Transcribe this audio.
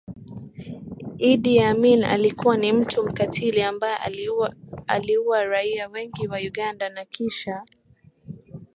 Idi Amin alikuwa ni mtu mkatili ambaye aliua raia wengi wa Uganda na kisha